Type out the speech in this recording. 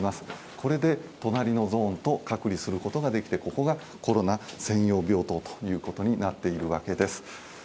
これで隣のゾーンと隔離することができてここがコロナ専用病床ということになっているわけです。